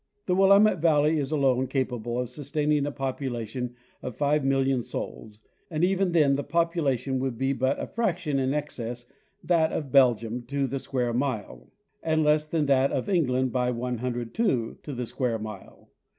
The Willamette valley is alone capable of sustaining a population of 5,000,000 souls, and even then the population would be but a fraction in excess that of Belgium to the square mile, and less than that of England by 102 to the square mile.